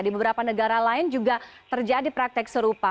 di beberapa negara lain juga terjadi praktek serupa